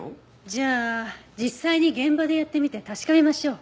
じゃあ実際に現場でやってみて確かめましょう。